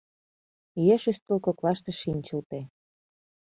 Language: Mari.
Еш ӱстел коклаште шинчылте.